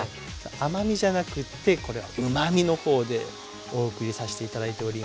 甘みじゃなくってこれはうまみの方でお送りさして頂いております。